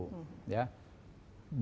bencana dalam keadaan tertentu